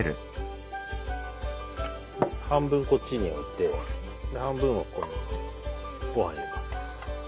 半分こっちに置いて半分はここにごはん入れます。